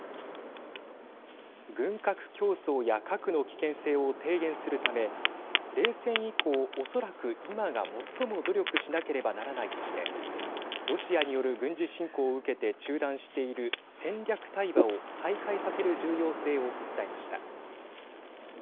軍拡競争や核の危険性を低減するため冷戦以降、おそらく今が最も努力しなければならないとしてロシアによる軍事侵攻を受けて中断している戦略対話を再開させる重要性を訴えました。